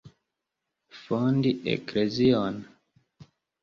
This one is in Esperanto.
Fondi eklezion?